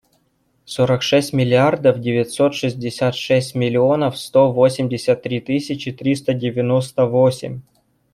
Сорок шесть миллиардов девятьсот шестьдесят шесть миллионов сто восемьдесят три тысячи триста девяносто восемь.